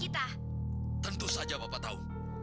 tentu saja bapak tahu